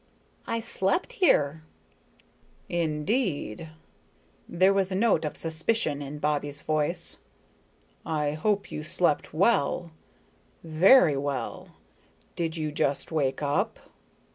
"I slept here." "Indeed!" There was a note of suspicion in Bobbie's voice. "I hope you slept well, very well. Did you just wake up?"